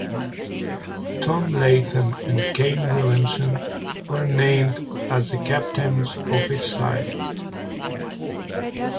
Tom Latham and Kane Williamson were named as the captains of each side.